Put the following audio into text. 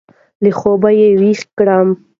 له خوابه يې وېښ کړم.